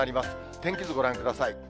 天気図ご覧ください。